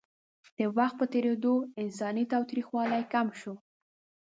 د وخت په تېرېدو انساني تاوتریخوالی کم شو.